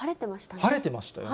晴れてましたよね。